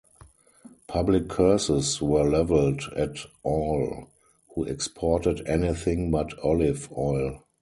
Public curses were leveled at all who exported anything but olive oil.